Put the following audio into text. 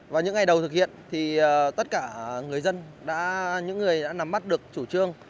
vào những ngày đầu thực hiện tất cả người dân những người đã nắm mắt được chủ trương